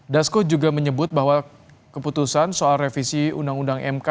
dasko juga menyebut bahwa keputusan soal revisi undang undang mk